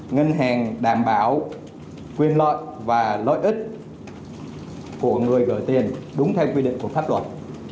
ngân hàng đảm bảo quyền lợi và lợi ích của người đổi tiền đúng theo quy định của pháp luật